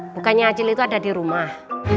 bukannya acil itu ada di rumah